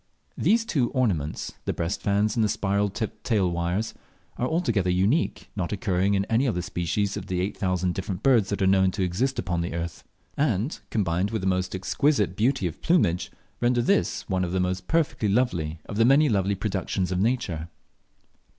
These two ornaments, the breast fans and the spiral tipped tail wires, are altogether unique, not occurring on any other species of the eight thousand different birds that are known to exist upon the earth; and, combined with the most exquisite beauty of plumage, render this one of the most perfectly lovely of the many lovely productions of nature.